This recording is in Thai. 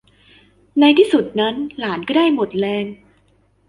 ในที่สุดนั้นหลานก็ได้หมดแรง